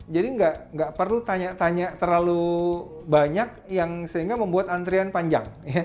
jadi nggak perlu tanya tanya terlalu banyak yang sehingga membuat antrian panjang